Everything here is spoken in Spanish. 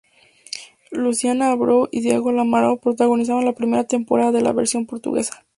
Luciana Abreu y Diogo Amaral protagonizan la primera temporada de la versión portuguesa.